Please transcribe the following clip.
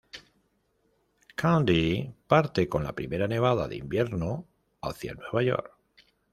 Candy parte con la primera nevada de invierno hacia Nueva York.